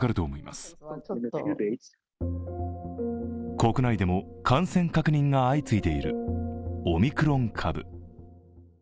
国内でも感染確認が相次いでいるオミクロン株。